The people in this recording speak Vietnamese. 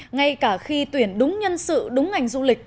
ngay cả khi tuyển đúng nhân sự đúng ngành du lịch